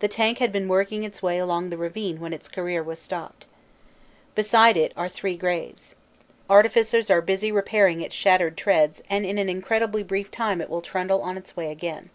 The tank had been working its way along the ravine when its career was stopped. Beside it are three graves. Arti ficers are busy repairing its shattered treads and in an incred ibly brief time it will trundle on its way again.